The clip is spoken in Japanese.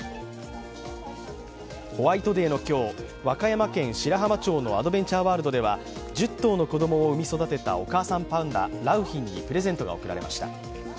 ホワイトデーの今日和歌山県白浜町のアドベンチャーワールドでは１０頭の子供を産み育てたお母さんパンダ良浜にプレゼントが贈られました。